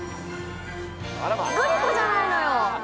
グリコじゃないのよ。